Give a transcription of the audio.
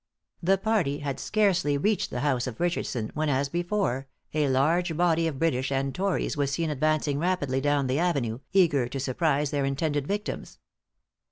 The party had scarcely reached the house of Richardson, when, as before, a large body of British and tories was seen advancing rapidly down the avenue, eager to surprise their intended victims.